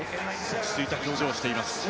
落ち着いた表情をしています。